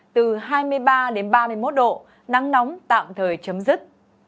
từ hai mươi ba đến ba mươi một độ nắng nóng tạm thời chấm dứt